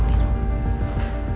kamu itu harusnya bersyukur